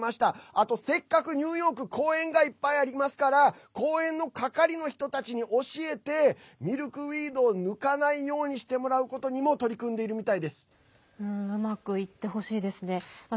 あと、せっかくニューヨーク公園がいっぱいありますから公園の係の人たちに教えてミルクウィードを抜かないようにしてもらうことにもうまくいってほしいですね。